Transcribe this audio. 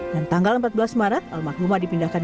dan tanggal empat belas maret almarhumah dipindahkan